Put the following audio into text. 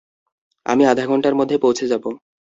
আমি আধা ঘন্টার মধ্যে পৌঁছে যাব।